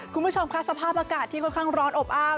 คุณผู้ชมค่ะสภาพอากาศที่ค่อนข้างร้อนอบอ้าว